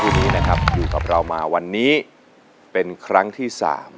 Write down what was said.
วันนี้นะครับอยู่กับเรามาวันนี้เป็นครั้งที่๓